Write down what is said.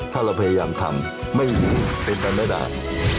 ถ้าเราพยายามทำไม่หรือเป็นกันได้ได้